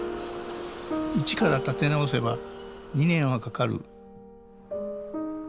一から建て直せば２年はかかる。